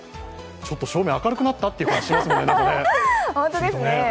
ちょっと照明、明るくなった？って感じがしますもんね。